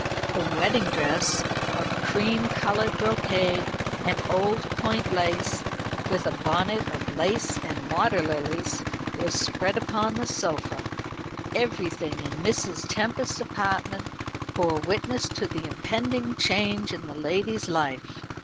The wedding dress, of cream coloured brocade and old point lace, with a bonnet of lace and water lilies, was spread upon the sofa. Everything in Mrs. Tempest's apartment bore witness to the impending change in the lady's life.